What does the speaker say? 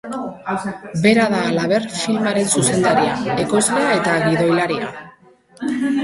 Bera da, halaber, filmaren zuzendaria, ekoizlea eta gidolaria.